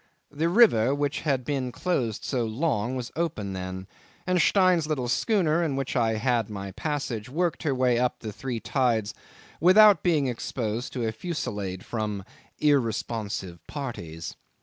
The river, which had been closed so long, was open then, and Stein's little schooner, in which I had my passage, worked her way up in three tides without being exposed to a fusillade from "irresponsive parties."